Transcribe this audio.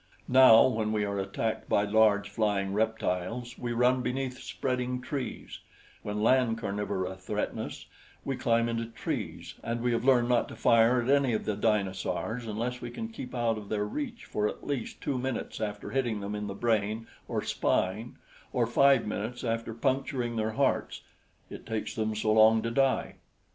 Now when we are attacked by large flying reptiles we run beneath spreading trees; when land carnivora threaten us, we climb into trees, and we have learned not to fire at any of the dinosaurs unless we can keep out of their reach for at least two minutes after hitting them in the brain or spine, or five minutes after puncturing their hearts it takes them so long to die.